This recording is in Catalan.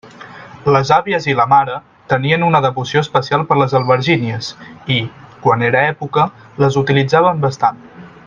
Les àvies i la mare tenien una devoció especial per les albergínies i, quan era època, les utilitzaven bastant.